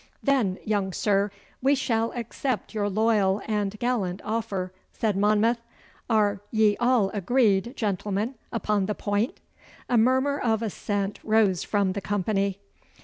'Then, young sir, we shall accept your loyal and gallant offer,' said Monmouth. 'Are ye all agreed, gentlemen, upon the point?' A murmur of assent rose from the company.